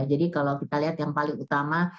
jadi kalau kita lihat yang paling utama